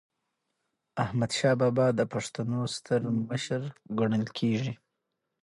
احمدشاه بابا د پښتنو ستر مشر ګڼل کېږي.